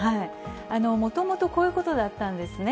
もともと、こういうことだったんですね。